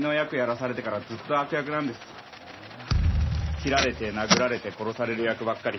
斬られて殴られて殺される役ばっかり。